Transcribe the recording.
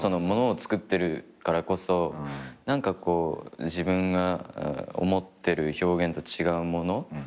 ものを作ってるからこそ何かこう自分が思ってる表現と違うもの。